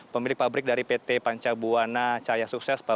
pemilik pabrik dari pt panca buana cahaya sukses